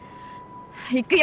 行くよ！